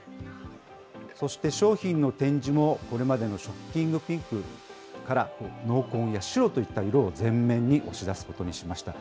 そして商品の展示も、これまでのショッキングピンクから濃紺や白といった色を前面に押し出すことにしました。